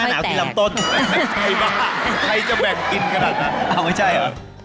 หนาวกินลำต้นใช่ป่ะใครจะแบ่งกินขนาดนั้นอ้าวไม่ใช่เหรอ